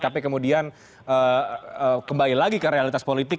tapi kemudian kembali lagi ke realitas politik